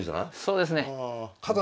そうですね。